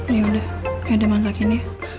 yaudah aida masakin ya